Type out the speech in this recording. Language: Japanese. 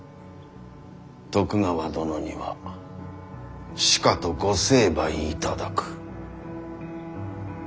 徳川殿にはしかとご成敗いただく。